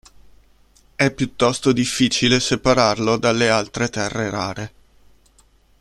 È piuttosto difficile separarlo dalle altre terre rare.